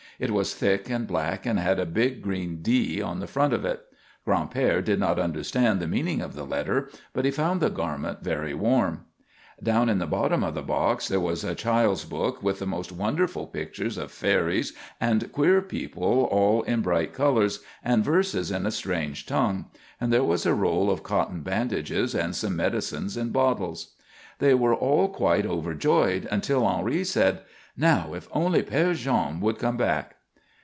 It was thick and black and had a big green D on the front of it. Gran'père did not understand the meaning of the letter, but he found the garment very warm. Down in the bottom of the box there was a child's book with the most wonderful pictures of fairies and queer people all in bright colours, and verses in a strange tongue; and there was a roll of cotton bandages and some medicines in bottles. They were all quite overjoyed until Henri said, "Now if only Père Jean would come back."